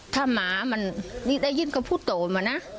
ถ้าหมามันนี่ได้ยินเขาพูดโตมานะ